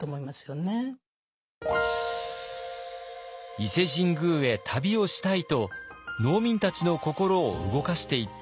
「伊勢神宮へ旅をしたい」と農民たちの心を動かしていった御師たち。